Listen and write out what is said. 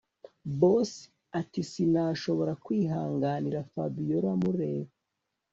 Boss atisinashobora kwihanganira Fabiora mureba